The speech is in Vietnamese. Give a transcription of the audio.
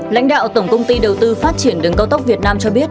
lãnh đạo tổng công ty đầu tư phát triển đường cao tốc việt nam cho biết